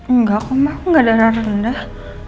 enggak kok mah aku gak darah rendah